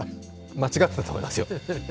間違ってたと思いますよ。